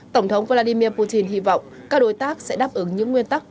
tổng thống vladimir putin hy vọng các đối tác sẽ đáp ứng những nguyên tắc